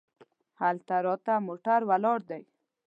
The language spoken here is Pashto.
هلته راته موټر ولاړ دی.